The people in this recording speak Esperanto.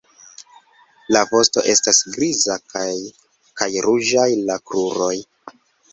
La vosto estas griza kaj kaj ruĝaj la kruroj.